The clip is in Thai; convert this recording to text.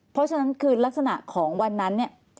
เพราะฉะนั้นคือลักษณะของวันนั้นเนี่ย